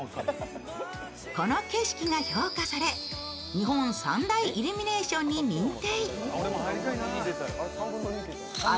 この景色が評価され日本三大イルミネーションに認定。